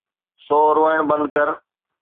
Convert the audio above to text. سو روئڻ بند ڪر.